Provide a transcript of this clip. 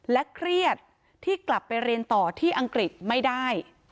เครียดที่กลับไปเรียนต่อที่อังกฤษไม่ได้